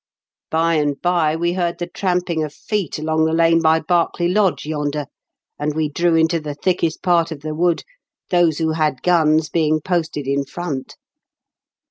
150 IN KENT WITH CHABLE8 DICKENS. "By and by we heard the tramping of feet along the lane by Berkeley Lodge yonder, and we drew into the thickest part of the wood, those who had guns being posted in front.